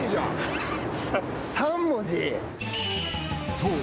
［そう！